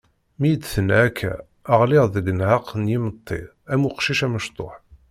Mi yi-d-tenna akka, ɣliɣ-d deg nnheq n yimeṭṭi am uqcic amecṭuḥ.